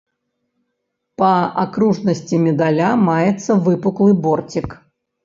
Па акружнасці медаля маецца выпуклы борцік.